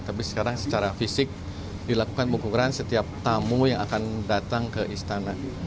tapi sekarang secara fisik dilakukan pengukuran setiap tamu yang akan datang ke istana